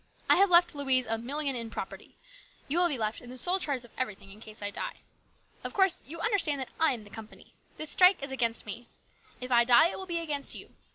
I have left Louise a million in property. You will be left in the sole charge of everything in case I die. Of course you understand that I am the company. This strike is against me. If I die, it will be against you.